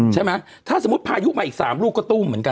ใช่ไหมถ้าสมมุติพายุมาอีก๓ลูกก็ตู้มเหมือนกัน